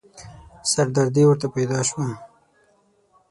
سردردې ورته پيدا شوه.